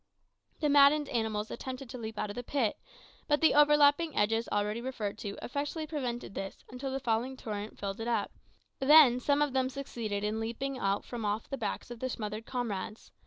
The maddened animals attempted to leap out of the pit, but the overlapping edges already referred to effectually prevented this until the falling torrent filled it up; then some of them succeeded in leaping out from off the backs of their smothered comrades.